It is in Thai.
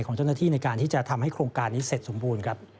ของเจ้าหน้าที่ในการที่จะทำให้โครงการนี้เสร็จสมบูรณ์ครับ